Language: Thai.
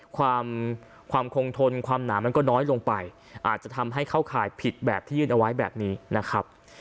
ความความคงทนความหนามันก็น้อยลงไปอาจจะทำให้เข้าข่ายผิดแบบที่ยื่นเอาไว้แบบนี้นะครับ